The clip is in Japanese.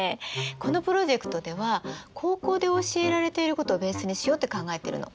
このプロジェクトでは高校で教えられていることをベースにしようって考えてるの。